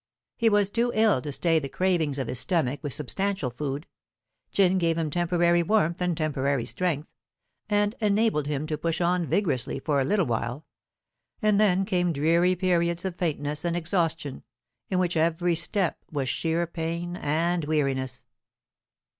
He was too ill to stay the cravings of his stomach with substantial food. Gin gave him temporary warmth and temporary strength, and enabled him to push on vigorously for a little while; and then came dreary periods of faintness and exhaustion, in which every step was sheer pain and weariness.